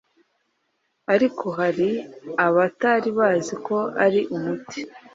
ariko hari abatari bazi ko ari umuti